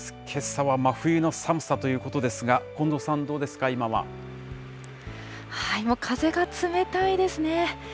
けさは真冬の寒さということですが、近藤さん、どうですか、風が冷たいですね。